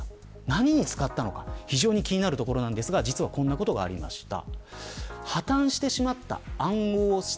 何に使ったのか非常に気になるところですが実は、こんなことがありました。